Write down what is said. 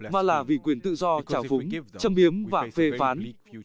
mà là vì quyền tự do trả phúng châm biếm và phê phán